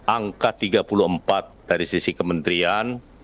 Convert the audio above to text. angka tiga puluh empat dari sisi kementerian